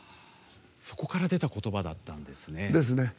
そこから出た言葉だったんですね。